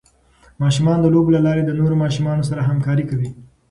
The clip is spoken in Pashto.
ماشومان د لوبو له لارې د نورو ماشومانو سره همکاري کوي.